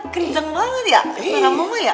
kenceng banget ya